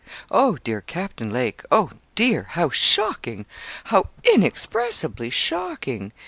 'Oh, dear, Captain Lake, oh, dear, how shocking how inexpressibly shocking!